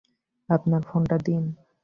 আপনার ফোনটা দিন।